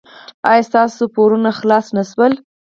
ایا ستاسو پورونه خلاص نه شول؟